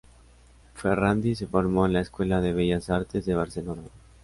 Ferrándiz se formó en la Escuela de Bellas Artes de Barcelona.